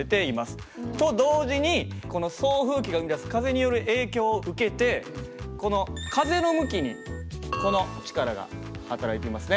と同時にこの送風機が生み出す風による影響を受けてこの風の向きにこの力が働いていますね。